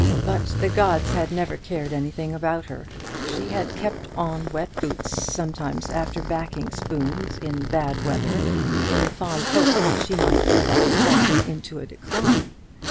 But the gods had never cared anything about her. She had kept on wet boots sometimes after "backing" spoons in bad weather, in the fond hope that she might thereby fall into a decline.